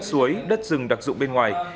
đất suối đất rừng đặc dụng bên ngoài